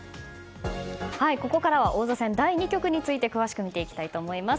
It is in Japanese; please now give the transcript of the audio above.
ここからは王座戦第２局について詳しく見ていきたいと思います。